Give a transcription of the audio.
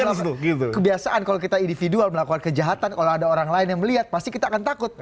karena kalau kita kebiasaan kalau kita individual melakukan kejahatan kalau ada orang lain yang melihat pasti kita akan takut